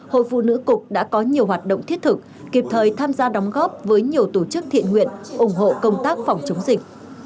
hội phụ nữ cục đã có nhiều hoạt động thiết thực kịp thời tham gia đóng góp với nhiều tổ chức thiện nguyện ủng hộ công tác phòng chống dịch